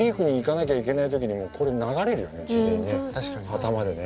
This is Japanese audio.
頭でね。